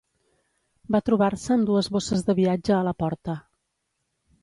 Va trobar-se amb dues bosses de viatge a la porta.